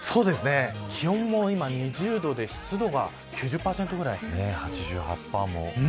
気温も今２０度で湿度が９０％ぐらい。